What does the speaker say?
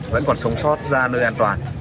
vẫn còn sống sót ra nơi an toàn